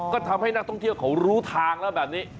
ก็ทำให้นักท่องเที่ยวเขารู้ทางแล้วแบบนี้